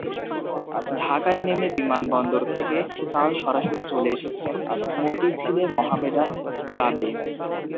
ঢাকায় নেমে বিমানবন্দর থেকে কাল সরাসরি চলে এসেছেন মতিঝিলে মোহামেডান ক্লাবে।